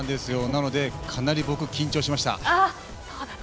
なので、かなり僕、緊張しました。